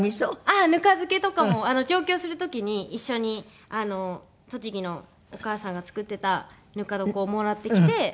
ああぬか漬けとかも上京する時に一緒に栃木のお母さんが作ってたぬか床をもらってきてその中に。